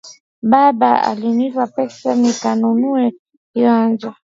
Baba alinipa pesa nikanunue kiwanja.